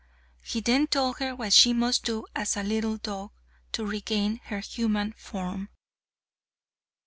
He then told her what she must do as a little dog to regain her human form.